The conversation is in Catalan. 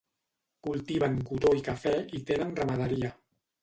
Cultiven cotó i cafè i tenen ramaderia.